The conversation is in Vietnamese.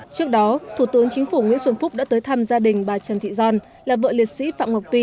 trước đó thủ tướng chính phủ nguyễn xuân phúc đã tới thăm gia đình bà trần thị giòn là vợ liệt sĩ phạm ngọc tuy